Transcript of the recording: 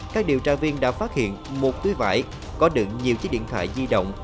các điều tra viên đã phát hiện một túi vải có đựng nhiều chiếc điện thoại di động